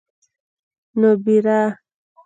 نومبره!